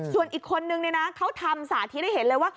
ส่วนอีกคนนึงเนี่ยนะเขาทำสาธิตให้เห็นเลยว่า